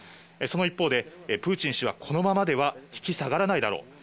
その一方で、プーチン氏は、このままでは引き下がらないだろう。